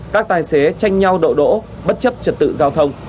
các tài xế tranh nhau đậu đỗ bất chấp trật tự giao thông